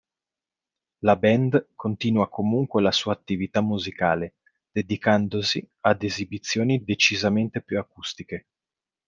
La band continua comunque la sua attività musicale dedicandosi ad esibizioni decisamente più acustiche.